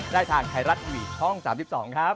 ได้ทางไทยรัฐทีวีช่อง๓๒ครับ